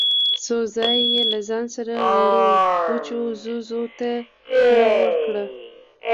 څو ځايه يې له ځان سره وړو وچو ځوځو ته خوله ورکړه.